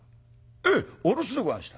「ええお留守でござんした」。